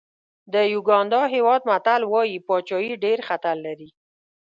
د یوګانډا هېواد متل وایي پاچاهي ډېر خطر لري.